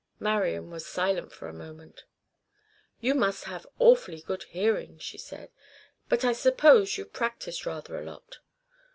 Marian was silent for a moment. "You must have awfully good hearing," she said. "But I suppose you've practised rather a lot."